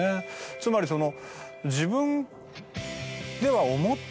つまりその。